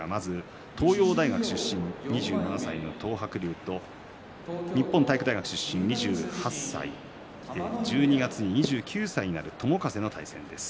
東洋大学出身、２７歳の東白龍と日本体育大学出身、２８歳１２月に２９歳になる友風の対戦です。